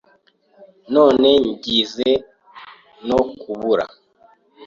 None ngize no kubura